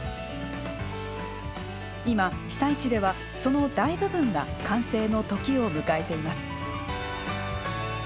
今、被災地では、その大部分が完成の時を迎えています。